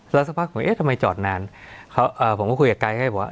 แล้วสักพักผมเอ๊ะทำไมจอดนานเขาเอ่อผมก็คุยกับกายให้ว่า